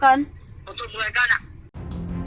một thùng một mươi cân ạ